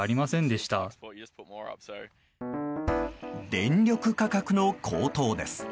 電力価格の高騰です。